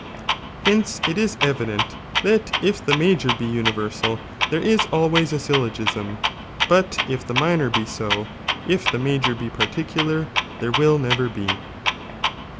Hence it is evident, that if the major be universal, there is always a syllogism, but it' the minor be so, (if the major be particular,) there will never be.